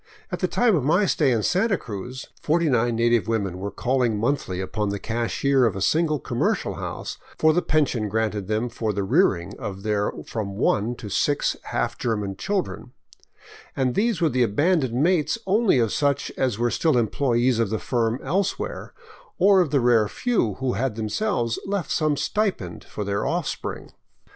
At the time of my stay in Santa Cruz, 49 native women were calling monthly upon the cashier of a single commercial house for the pension granted them for the rearing of their from one to six half German children ; and these were the abandoned mates only of such as were still employees of the firm elsewhere, or of the rare few who had themselves left some stipend for their offspring.